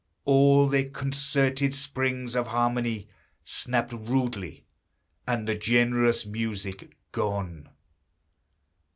All their concerted springs of harmony Snapped rudely, and the generous music gone.